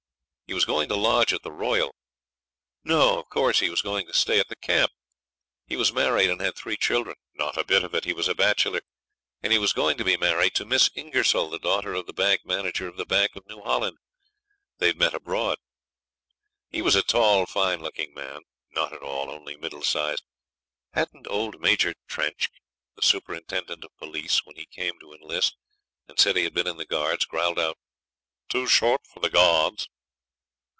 He was going to lodge at the Royal. No, of course he was going to stay at the camp! He was married and had three children. Not a bit of it; he was a bachelor, and he was going to be married to Miss Ingersoll, the daughter of the bank manager of the Bank of New Holland. They'd met abroad. He was a tall, fine looking man. Not at all, only middle sized; hadn't old Major Trenck, the superintendent of police, when he came to enlist and said he had been in the Guards, growled out, 'Too short for the Guards!'